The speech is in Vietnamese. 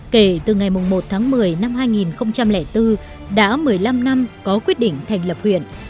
kể từ ngày một tháng một mươi năm hai nghìn bốn đã một mươi năm năm có quyết định thành lập huyện